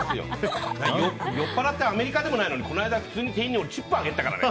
酔っぱらってアメリカでもないのに店員にチップあげてたからね。